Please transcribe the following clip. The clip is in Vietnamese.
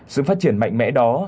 sự phát triển mạnh mẽ đó